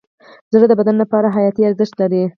زړه د بدن لپاره حیاتي ارزښت لري.